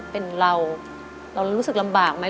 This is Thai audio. เป็นเราเรารู้สึกลำบากไหม